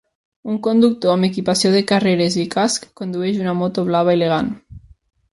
Un conductor amb equipació de carreres i casc condueix una moto blava elegant